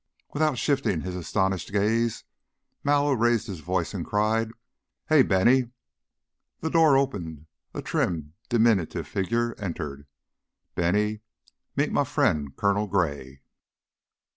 Without shifting his astonished gaze, Mallow raised his voice and cried, "Hey, Bennie!" The door opened, a trim, diminutive figure entered. "Bennie, mit my friend Colonel Gray."